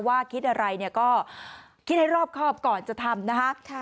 คิดอะไรเนี่ยก็คิดให้รอบครอบก่อนจะทำนะคะ